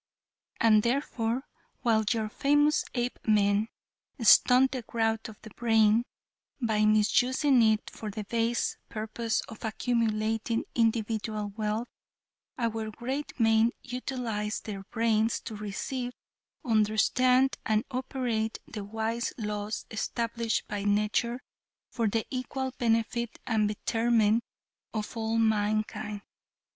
And therefore, while your famous Apemen stunt the growth of the brain by misusing it for the base purpose of accumulating individual wealth, our great men utilized their brains to receive, understand and operate the wise laws established by nature for the equal benefit and betterment of all mankind.